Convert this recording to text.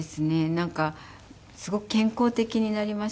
なんかすごく健康的になりましたね。